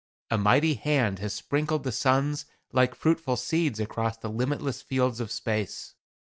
A mighty hand has sprinkled the suns like fruitful seeds across the limitless fields of space.